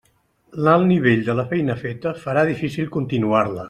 L'alt nivell de la feina feta farà difícil continuar-la.